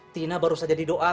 tina baru saja didoakan